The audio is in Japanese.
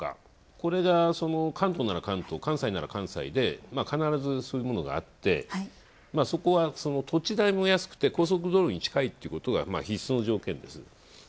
これが関東なら関東、関西なら関西で必ずそういうものがあってそこは土地代も安くて高速道路に近いということが必須の条件です。